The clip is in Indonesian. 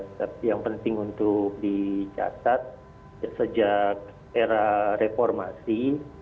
tapi yang penting untuk dicatat sejak era reformasi